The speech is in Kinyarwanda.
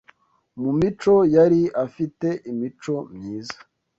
mu mico, yari afite imico myiza